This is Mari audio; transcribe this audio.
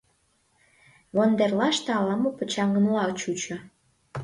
Вондерлаште ала-мо почаҥмыла чучо.